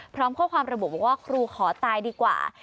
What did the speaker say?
พร้อมข้อความระบุบอกว่าครูขอตายดีกว่า